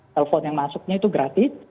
telepon yang masuknya itu gratis